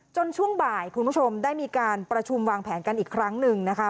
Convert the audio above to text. ช่วงบ่ายคุณผู้ชมได้มีการประชุมวางแผนกันอีกครั้งหนึ่งนะคะ